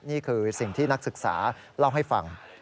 นี่คือสิ่งที่นักศึกษาเล่าให้ฟัง